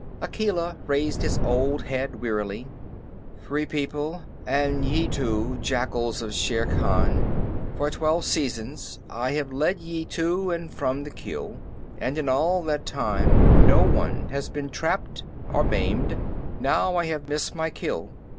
Akela raised his old head wearily: "Free People, and ye too, jackals of Shere Khan, for twelve seasons I have led ye to and from the kill, and in all that time not one has been trapped or maimed. Now I have missed my kill.